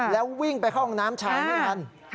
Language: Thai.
แล้ววิ่งไปเข้าห้องน้ำชายไม่ทัน